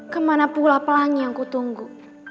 kemana pula pelangi yang ku tunggu